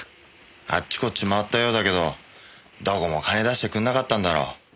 あっちこっち回ったようだけどどこも金出してくんなかったんだろう。